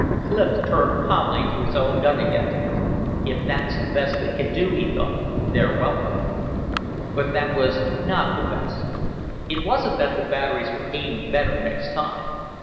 Clif turned calmly to his gun again. "If that's the best they can do," he thought, "they're welcome." But that was not the best. It wasn't that the batteries were aimed better next time.